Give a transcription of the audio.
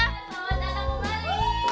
selamat datang kembali